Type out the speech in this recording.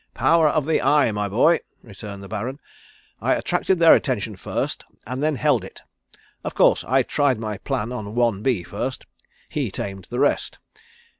"Power of the eye, my boy," returned the Baron. "I attracted their attention first and then held it. Of course, I tried my plan on one bee first. He tamed the rest.